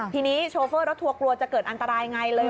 ทีนี้โชเฟอร์รถทัวร์กลัวจะเกิดอันตรายไงเลย